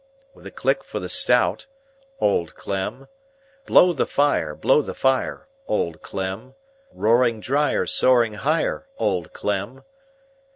With a clink for the stout—Old Clem! Blow the fire, blow the fire—Old Clem! Roaring dryer, soaring higher—Old Clem!